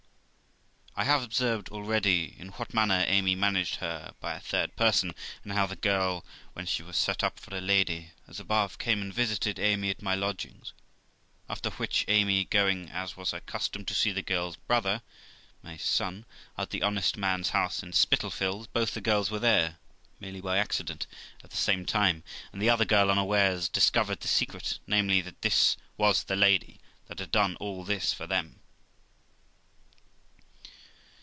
I have observed already in what manner Amy managed her by a third person; and how the girl, when she was set up for a lady, as above, came and visited Amy at my lodgings; after which, Amy going, as was her custom, to see the girl's brother (my son) at the honest man's house in Spitalfields, both the girls were there, me ely by accident, at the same time; and the other girl unawares discovered the secret, namely, that this was the lady that had done all this for them.